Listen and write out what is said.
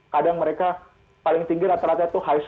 kadang mereka paling tinggi rata rata terpilih